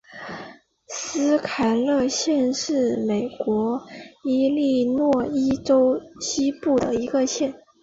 斯凯勒县是美国伊利诺伊州西部的一个县。